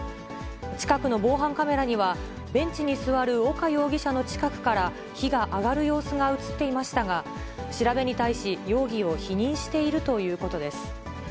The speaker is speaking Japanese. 近くの防犯カメラには、ベンチに座る岡容疑者の近くから火が上がる様子が写っていましたが、調べに対し、容疑を否認しているということです。